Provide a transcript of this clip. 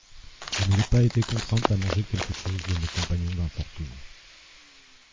Je n'ai pas encore été contrainte à manger quelque chose de mes compagnons d'infortune.